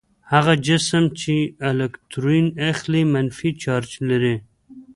هغه جسم چې الکترون اخلي منفي چارج لري.